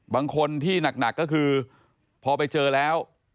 บางคนที่หนักก็คือพอไปเจอแล้ว